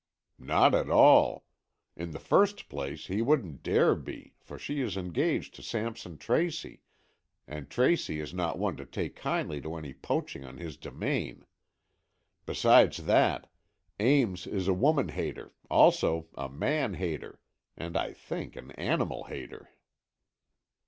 "Not at all. In the first place, he wouldn't dare be, for she is engaged to Sampson Tracy, and Tracy is not one to take kindly to any poaching on his domain. Besides that, Ames is a woman hater, also a man hater, and I think, an animal hater."